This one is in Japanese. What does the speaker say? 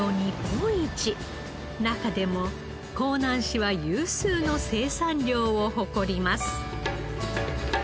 中でも香南市は有数の生産量を誇ります。